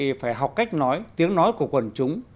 thì phải học cách nói tiếng nói của quần chúng